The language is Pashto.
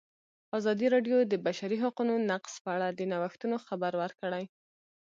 ازادي راډیو د د بشري حقونو نقض په اړه د نوښتونو خبر ورکړی.